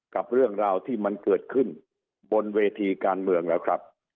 กับเรื่องราวที่มันเกิดขึ้นบนเวทีการเมืองแล้วครับ